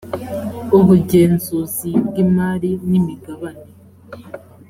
ubugenzuzi bw imari n imigabane